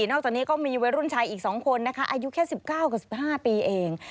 นอกจากนี้ก็มีวัยรุ่นชายอีก๒คนนะคะอายุแค่๑๙กับ๑๕ปีเอง